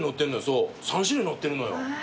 そう３種類載ってるのよ。